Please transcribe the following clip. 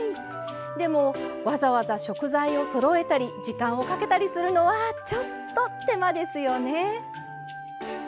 でもわざわざ食材をそろえたり時間をかけたりするのはちょっと手間ですよね。